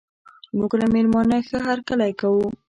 موږ له میلمانه ښه هرکلی کوو.